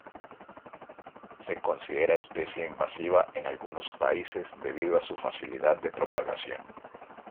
Se considera especie invasiva en algunos países debido a su facilidad de propagación.